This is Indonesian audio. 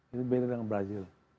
itu beda dengan brazil